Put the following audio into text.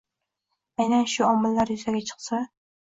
Aynan shu omillar yuzaga chiqsa